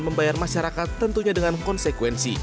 membayar masyarakat tentunya dengan konsekuensi